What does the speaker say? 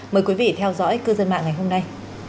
mời quý vị theo dõi cư dân mạng ngày hôm nay